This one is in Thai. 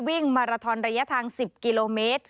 วิ่งมาราทอนระยะทาง๑๐กิโลเมตร